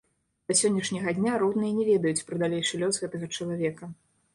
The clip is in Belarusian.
Да сённяшняга дня родныя не ведаюць пра далейшы лёс гэтага чалавека.